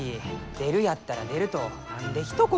出るやったら出ると何でひと言。